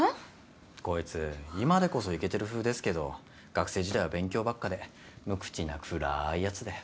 こいつ今でこそイケてる風ですけど学生時代は勉強ばっかで無口な暗いやつで。